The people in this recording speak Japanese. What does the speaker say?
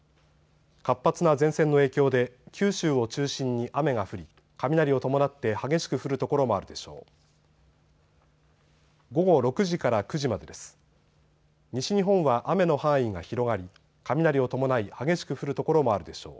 活発な前線の影響で九州を中心に雨が降り、雷を伴って激しく降る所もあるでしょう。